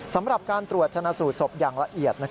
สำหรับการตรวจชนะสูตรศพอย่างละเอียด